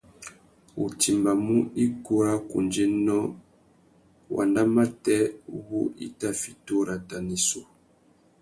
U timbamú ikú râ kundzénô ! wanda matê wu i tà fiti urrata na issú.